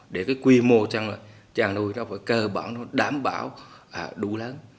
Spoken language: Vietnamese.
để cái quy mô chân nuôi chân nuôi nó phải cơ bản đảm bảo đủ lớn